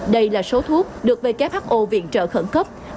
đây là số thuốc được who viện trợ khẩn cấp